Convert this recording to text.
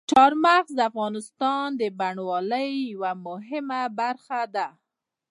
چار مغز د افغانستان د بڼوالۍ یوه مهمه برخه ده.